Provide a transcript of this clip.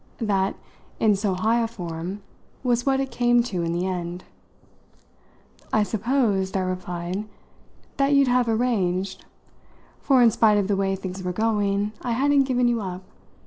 That in so high a form was what it came to in the end. "I supposed," I replied, "that you'd have arranged; for, in spite of the way things were going, I hadn't given you up.